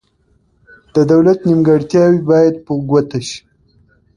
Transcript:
د دولت نیمګړتیاوې باید په ګوته شي.